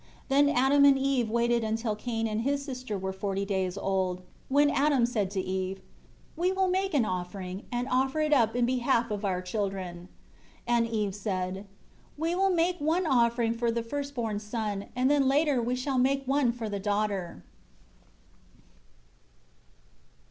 9 Then Adam and Eve waited until Cain and his sister were forty days old, when Adam said to Eve, "We will make an offering and offer it up in behalf of the children." 10 And Eve said, "We will make one offering for the first born son and then later we shall make one for the daughter."